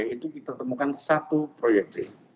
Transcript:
itu kita temukan satu proyektil